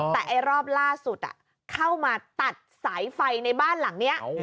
แต่ไอ้รอบล่าสุดเข้ามาตัดสายไฟในบ้านหลังนี้